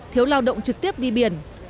thiếu lao động trực tiếp đi biển